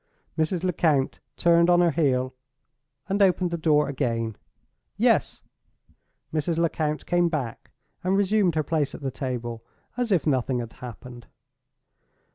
Mrs. Lecount turned on her heel and opened the door again. "Yes." Mrs. Lecount came back, and resumed her place at the table as if nothing had happened.